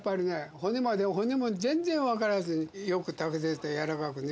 骨まで骨も全然わからずによく食べられたやわらかくね。